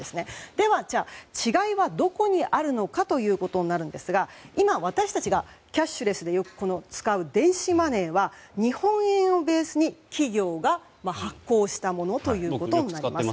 では、違いはどこにあるのかということになるんですが今、私たちがキャッシュレスで使う電子マネーは日本円をベースに企業が発行したものという。